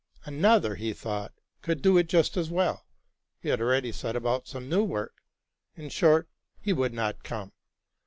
Another, he thought, could do it just as well; he had already set about some new work; in short, he would not come.